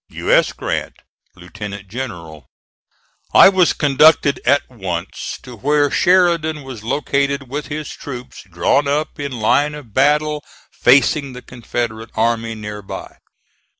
U. S. GRANT, Lieutenant General. I was conducted at once to where Sheridan was located with his troops drawn up in line of battle facing the Confederate army near by.